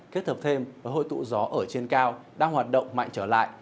kết hợp thêm với hội tụ gió ở trên cao đang hoạt động mạnh trở lại